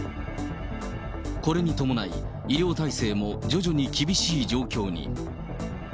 これに伴い、医療体制も徐々に厳しい状況に。